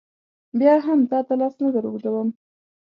بیا هم تا ته لاس نه در اوږدوم.